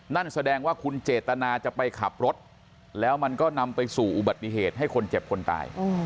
นั่นแสดงว่าคุณเจตนาจะไปขับรถแล้วมันก็นำไปสู่อุบัติเหตุให้คนเจ็บคนตาย